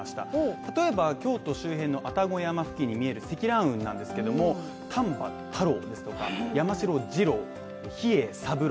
例えば京都周辺の愛宕山付近に見える積乱雲なんですけども、丹波太郎ですとか、山城次郎比叡三郎